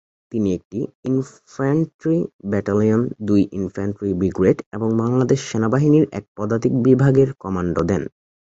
তিনি একটি infantry battalion, দুই ইনফ্যান্ট্রি ব্রিগেড এবং বাংলাদেশ সেনাবাহিনীর এক পদাতিক বিভাগের কমান্ড দেন।